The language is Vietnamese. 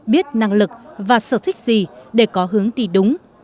biết năng lực và sở thích gì để có hướng đi đúng